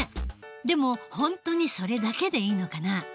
でも本当にそれだけでいいのかな？